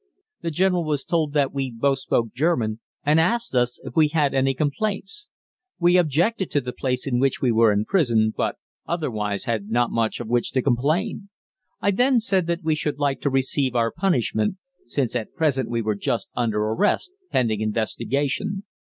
The General was told that we both spoke German, and asked us if we had any complaints. We objected to the place in which we were imprisoned, but otherwise had not much of which to complain. I then said that we should like to receive our punishment, since at present we were just under arrest "pending investigation."